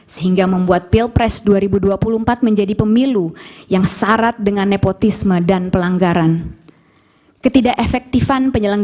sehingga membuatnya tidak berhasil